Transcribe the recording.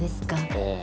ええ